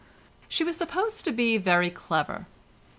She was supposed to be very clever.